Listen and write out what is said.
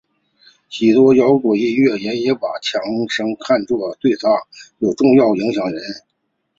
许多摇滚音乐人也把强生看作是对他们有重要影响的人。